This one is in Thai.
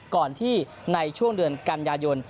ก่อนที่ในช่วงเดือนกันยายน